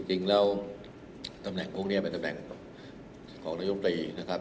จริงแล้วตำแหน่งพวกนี้เป็นตำแหน่งของนายมตรีนะครับ